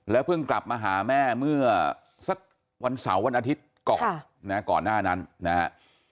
แล้วเพิ่งกลับมาหาแม่เมื่อสักวันเสาร์วันอาทิตย์ก่อนหน้านั้นนะครับ